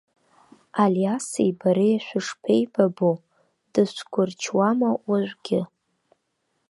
Алиаси бареи шәышԥеибабо, дыцәгәырчуама уажәгьы?